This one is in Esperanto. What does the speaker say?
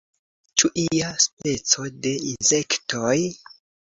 Ĉu ia speco de insektoj?